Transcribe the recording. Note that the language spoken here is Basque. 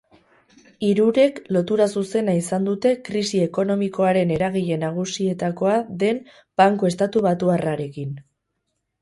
Hirurek lotura zuzena izan dute krisi ekonomikoaren eragile nagusietakoa den banku estatubatuarrarekin.